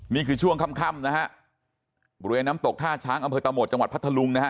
นี่คือช่วงค่ำนะฮะบริเวณน้ำตกท่าช้างอำเภอตะโหมดจังหวัดพัทธลุงนะฮะ